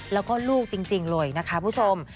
แล้วก็ลูกจริงเลยนะคะคุณผู้ชม